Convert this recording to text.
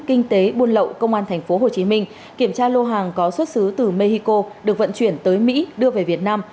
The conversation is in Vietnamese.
kinh tế buôn lậu công an tp hcm kiểm tra lô hàng có xuất xứ từ mexico được vận chuyển tới mỹ đưa về việt nam